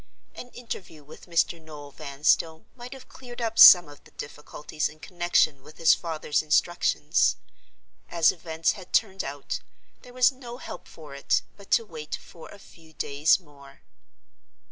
An interview with Mr. Noel Vanstone might have cleared up some of the difficulties in connection with his father's instructions. As events had turned out, there was no help for it but to wait for a few days more.